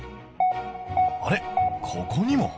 あれここにも？